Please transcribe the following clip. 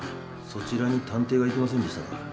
そちらに探偵が行きませんでしたか？